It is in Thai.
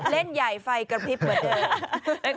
เล่นใหญ่ไฟกระพริบเหมือนเดิม